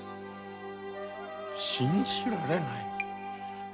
信じられない！